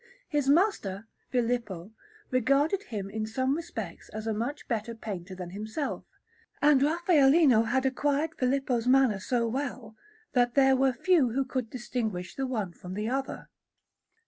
His master, Filippo, regarded him in some respects as a much better painter than himself; and Raffaellino had acquired Filippo's manner so well, that there were few who could distinguish the one from the other.